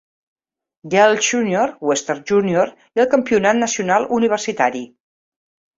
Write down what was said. Girls' Junior, Western Junior i el Campionat Nacional Universitari.